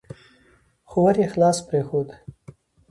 خو ور يې خلاص پرېښود.